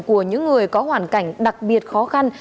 của những người có hoàn cảnh đặc biệt khó khăn